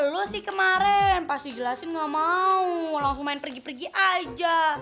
lo sih kemaren pas dijelasin gamau langsung main pergi pergi aja